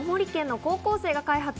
青森県の高校生が開発